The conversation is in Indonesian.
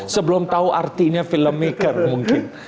sebelum tahu artinya filmmaker mungkin